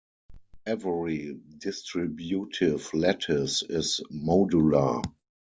Every distributive lattice is modular.